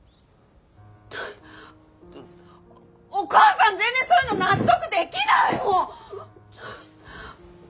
お母さん全然そういうの納得できないもん！